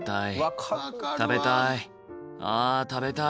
食べたい。